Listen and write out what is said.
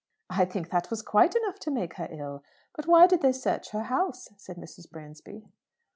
"I think that was quite enough to make her ill! But why did they search her house?" said Mrs. Bransby.